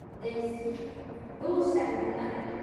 He has stated that he did not leave Triple J by his choosing.